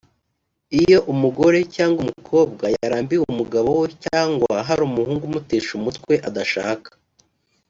Iyo umugore cyangwa umukobwa yarambiwe umugabo we cyangwa hari umuhungu umutesha umutwe adashaka